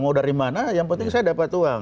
mau dari mana yang penting saya dapat uang